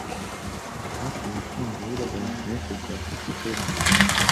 kwatumye ashinga urubuga rwa internet rwa Pussypedia